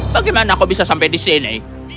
bagaimana kau bisa sampai di sini